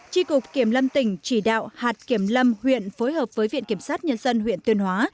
tri cục kiểm lâm tỉnh chỉ đạo hạt kiểm lâm huyện phối hợp với viện kiểm sát nhân dân huyện tuyên hóa